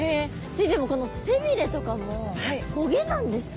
でもこの背ビレとかも棘なんですか？